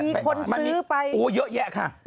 มีคนซื้อไปโอ้เยอะแยะค่ะ